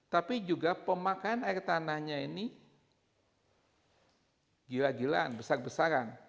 tapi juga pemakaian air tanahnya ini gila gilaan besar besaran